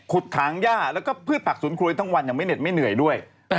ขุดทางย่าแล้วก็พืชปักศุลค์ครัวเองทั้งวันยังเมื่อเจ็ดไม่เหนื่อยด้วย